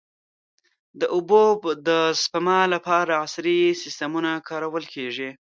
د اوبو د سپما لپاره عصري سیستمونه کارول کېږي.